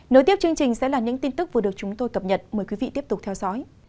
nối tiếp chương trình sẽ là những tin tức vừa được chúng tôi cập nhật mời quý vị tiếp tục theo dõi